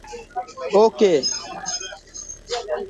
At Cambridge, he was secretary of the University Pitt Club.